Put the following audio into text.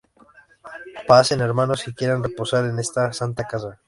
pasen, hermanos, si quieren reposar en esta santa casa.